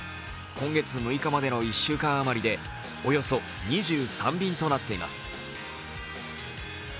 今月６日までの１週間余りでおよそ２３便となっています。